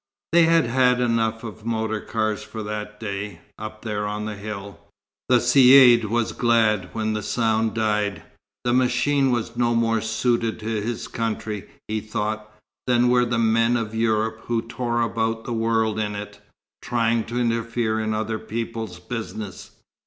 They had had enough of motor cars for that day, up there on the hill! The Caïd was glad when the sound died. The machine was no more suited to his country, he thought, than were the men of Europe who tore about the world in it, trying to interfere in other people's business.